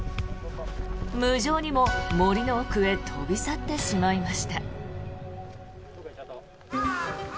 無情にも森の奥へ飛び去ってしまいました。